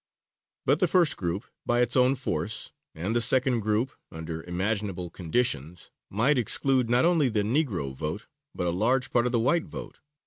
But the first group, by its own force, and the second group, under imaginable conditions, might exclude not only the Negro vote, but a large part of the white vote.